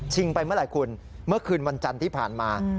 ไปเมื่อไหร่คุณเมื่อคืนวันจันทร์ที่ผ่านมา